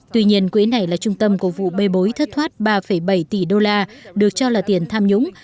tuy nhiên quỹ này là trung tâm của vụ bê bối thất thoát ba bảy tỷ đô la được cho là tiền tham nhũng